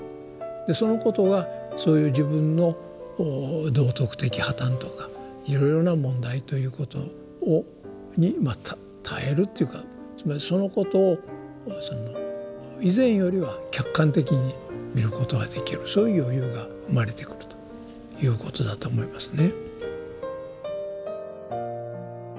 でそのことはそういう自分の道徳的破綻とかいろいろな問題ということに耐えるっていうかつまりそのことを以前よりは客観的に見ることができるそういう余裕が生まれてくるということだと思いますね。